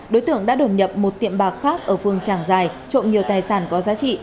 đối tượng đã đột nhập một tiệm bạc khác ở phương trảng giài trộm nhiều tài sản có giá trị